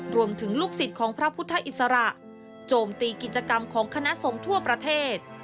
ลูกศิษย์ของพระพุทธอิสระโจมตีกิจกรรมของคณะสงฆ์ทั่วประเทศ